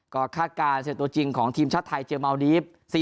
ก็คาดการณ์เสร็จตัวจริงของทีมชาติไทยเจอเมาดีฟ